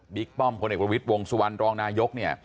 เบี๊กป้อมโรงนายยกวงศวรรศ์